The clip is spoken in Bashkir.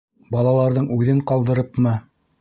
— Балаларҙың үҙен ҡалдырыпмы?